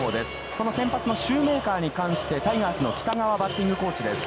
その先発のシューメーカーに関して、タイガースの北川バッティングコーチです。